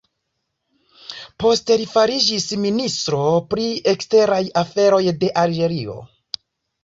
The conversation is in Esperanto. Poste li fariĝis ministro pri eksteraj aferoj de Alĝerio.